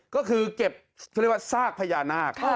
ก็คือเก็บเขาเรียกว่าซากพญานาค